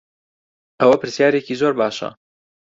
ئەوە پرسیارێکی زۆر باشە.